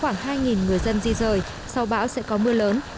huyện đức phổ có khoảng hai người dân di rời sau bão sẽ có mưa lớn